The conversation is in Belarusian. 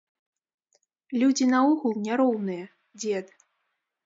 Людзі наогул не роўныя, дзед.